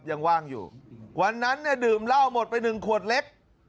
ยังว่างอยู่วันนั้นเนี่ยดื่มเหล้าหมดไปหนึ่งขวดเล็ก